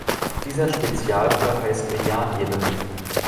Dieser Spezialfall heißt Medianebene.